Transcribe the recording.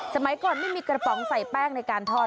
สมัยก่อนไม่มีกระป๋องใส่แป้งในการทอด